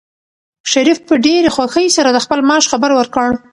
شریف په ډېرې خوښۍ سره د خپل معاش خبر ورکړ.